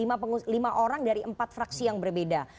ada lima orang dari empat fraksi yang berbeda